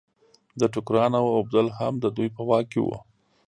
د ټوکرانو اوبدل هم د دوی په واک کې وو.